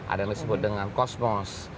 ada yang disebut dengan kosmos